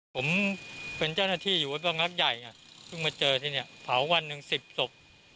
ผมเป็นเจ้าหน้าที่อยู่บ้างรักใหญ่เพิ่งมาเจอที่นี่เผาวันนึง๑๐ศพ๕ศพ